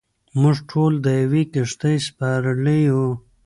موږ ټول د یوې کښتۍ سپرلۍ یو.